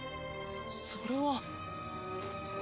それは。